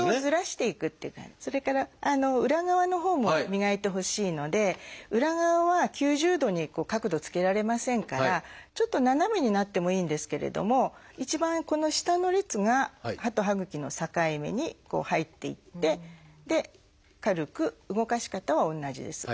それから裏側のほうも磨いてほしいので裏側は９０度に角度つけられませんからちょっと斜めになってもいいんですけれども一番この下の列が歯と歯ぐきの境目に入っていって軽く動かし方は同じです。